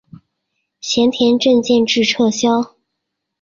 咸田镇建制撤销。